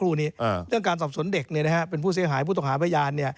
เรื่องการสอบสวนเด็กเนี่ยนะฮะเป็นผู้เสียหายผู้ตกหาพยานเนี่ย